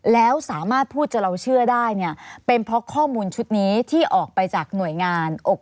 แล้วสามารถพูดจนเราเชื่อได้เนี่ยเป็นเพราะข้อมูลชุดนี้ที่ออกไปจากหน่วยงาน